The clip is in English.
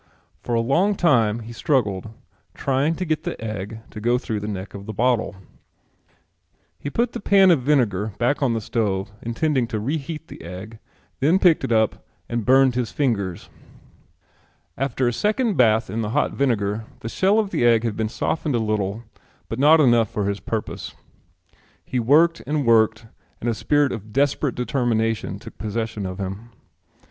For a long time he struggled, trying to get the egg to go through the neck of the bottle. He put the pan of vinegar back on the stove, intending to reheat the egg, then picked it up and burned his fingers. After a second bath in the hot vinegar the shell of the egg had been softened a little but not enough for his purpose. He worked and worked and a spirit of desperate determination took possession of him.